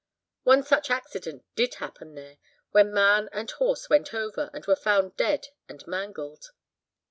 One such accident did happen there, when man and horse went over, and were found dead and mangled.